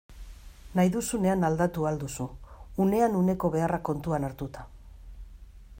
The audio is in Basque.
Nahi duzunean aldatu ahal duzu, unean uneko beharrak kontuan hartuta.